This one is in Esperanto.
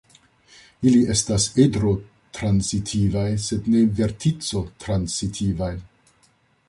Ili estas edro-transitivaj sed ne vertico-transitivaj.